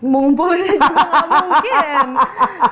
mengumpulinnya juga gak mungkin